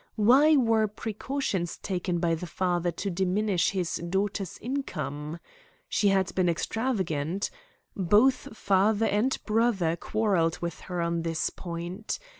Why were precautions taken by the father to diminish his daughter's income? She had been extravagant. Both father and brother quarrelled with her on this point.